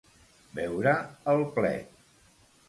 Veure el plet.